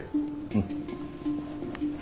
うん。